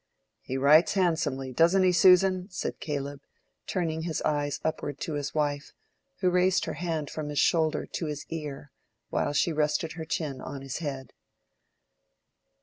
"He writes handsomely, doesn't he, Susan?" said Caleb, turning his eyes upward to his wife, who raised her hand from his shoulder to his ear, while she rested her chin on his head.